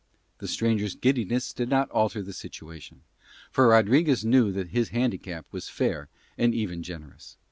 The stranger's giddiness did not alter the situation, for Rodriguez knew that his handicap was fair and even generous.